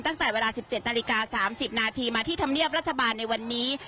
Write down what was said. ตั้งแต่เวลา๑๗นาฬิกา๓๐นาทีมาที่ธรรมเนียบรัฐบาลในวันนี้